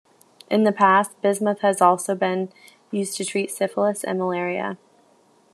In the past, bismuth has also been used to treat syphilis and malaria.